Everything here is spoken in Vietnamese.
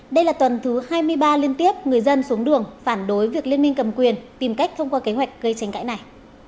đây là tuần thứ hai mươi ba liên tiếp người dân xuống đường phản đối việc liên minh cầm quyền tìm cách thông qua kế hoạch gây tranh cãi này